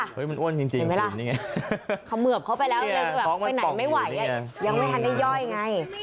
เห็นไหมล่ะเขาเหมือบเข้าไปแล้วไปไหนไม่ไหวยังไม่ทำได้ย่อยไง